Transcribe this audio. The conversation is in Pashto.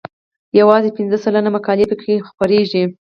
یوازې پنځه سلنه مقالې پکې خپریږي.